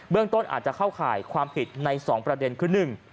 เบื้องต้นอาจจะเข้าข่ายความผิดใน๒ประเด็นคือ